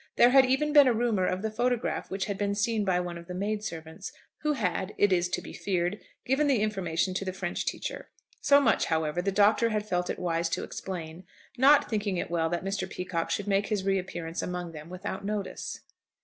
There had even been a rumour of the photograph which had been seen by one of the maid servants, who had, it is to be feared, given the information to the French teacher. So much, however, the Doctor had felt it wise to explain, not thinking it well that Mr. Peacocke should make his reappearance among them without notice.